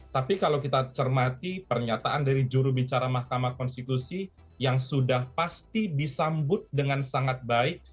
tapi kalau kita cermati pernyataan dari jurubicara mahkamah konstitusi yang sudah pasti disambut dengan sangat baik